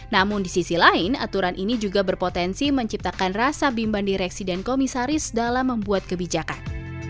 namun di sisi lain aturan ini juga berpotensi menciptakan rasa bimban direksi dan komisaris dalam membuat kebijakan